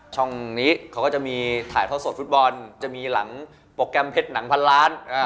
ช่องนี้เขาก็จะมีถ่ายท่อสดฟุตบอลจะมีหลังโปรแกรมเพชรหนังพันล้าน